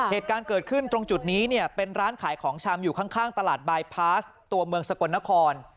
เหตุการณ์เกิดขึ้นตรงจุดนี้เนี่ยเป็นร้านขายของชำอยู่ข้างตลาดบายพาสตัวเมืองสกลนคร